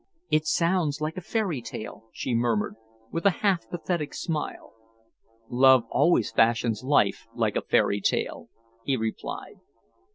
"It sounds like a fairy tale," she murmured, with a half pathetic smile. "Love always fashions life like a fairy tale," he replied.